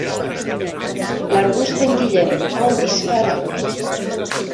L'arbust d'en Guillem, au dispara!